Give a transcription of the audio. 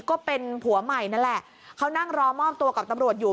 ก็เป็นผัวใหม่นั่นแหละเขานั่งรอมอบตัวกับตำรวจอยู่